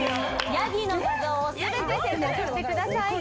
ヤギの画像を全て選択してください。